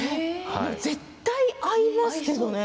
絶対合いますよね。